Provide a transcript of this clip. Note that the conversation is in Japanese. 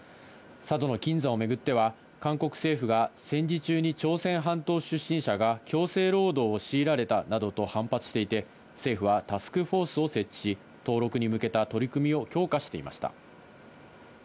佐渡島の金山をめぐっては韓国政府が戦時中に朝鮮半島出身者が強制労働をしいられたなどと反発していて、政府はタスクフォースを設置し、登録に向けた取り組みを強化していました。